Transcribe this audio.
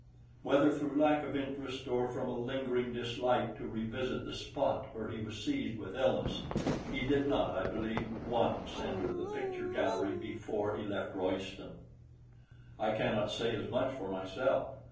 Whether through lack of interest, or from a lingering dislike to revisit the spot where he was seized with illness, he did not, I believe, once enter the picture gallery before he left Royston. I cannot say as much for myself.